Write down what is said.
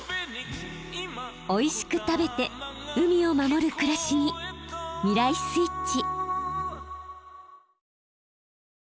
おいしく食べて海を守る暮らしに未来スイッチ。